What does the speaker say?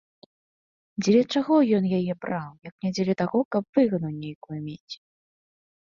Дзеля чаго ён яе браў, як не дзеля таго, каб выгаду нейкую мець.